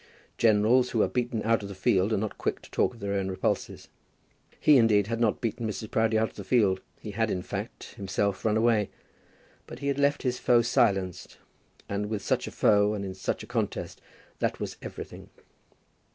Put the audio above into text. Generals who are beaten out of the field are not quick to talk of their own repulses. He, indeed, had not beaten Mrs. Proudie out of the field. He had, in fact, himself run away. But he had left his foe silenced; and with such a foe, and in such a contest, that was everything.